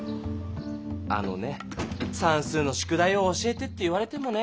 あのねさんすうの宿題を教えてって言われてもね。